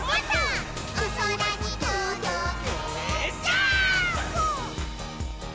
「おそらにとどけジャンプ！！」